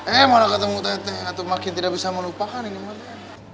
eh mana ketemu teteh atau makin tidak bisa melupakan ini mah teh